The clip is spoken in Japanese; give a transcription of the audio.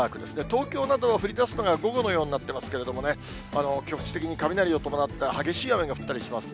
東京などは降りだすのが午後の予想になってますけれどもね、局地的に雷を伴った激しい雨が降ったりします。